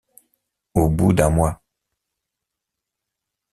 Au bout d’un mois